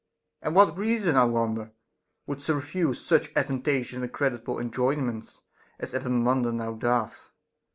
And what reason, I wonder, would refuse such advan tageous and creditable enjoyments as Epaminondas now doth?